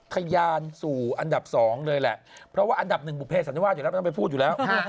ทะยานสู่อันดับ๒เลยแหละเพราะว่าอันดับหนึ่งบุเภสันนิวาสอยู่แล้วไม่ต้องไปพูดอยู่แล้ว